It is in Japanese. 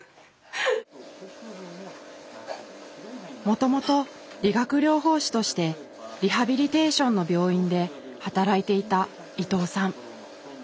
もともと理学療法士としてリハビリテーションの病院で働いていた伊藤さん。